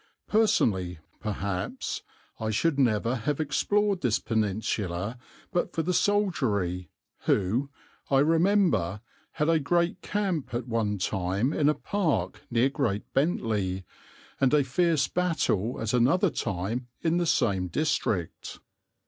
Personally, perhaps, I should never have explored this peninsula but for the soldiery, who, I remember, had a great camp at one time in a park near Great Bentley, and a fierce battle at another time in the same district.